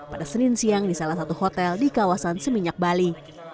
pada senin siang di salah satu hotel di kawasan seminyak bali